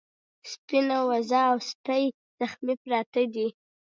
سپينه وزه او سپی زخمي پراته دي.